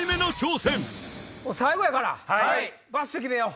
最後やからバシっと決めよう。